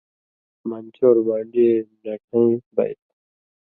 من چور بانڈی اے نٹَیں بئ تُھو